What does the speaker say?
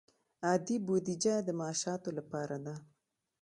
عادي بودجه د معاشاتو لپاره ده